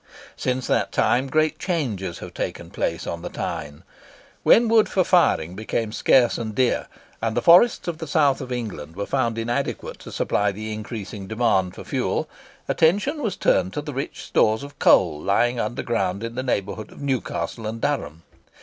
Since that time great changes have taken place on the Tyne. When wood for firing became scarce and dear, and the forests of the South of England were found inadequate to supply the increasing demand for fuel, attention was turned to the rich stores of coal lying underground in the neighbourhood of Newcastle and Durham.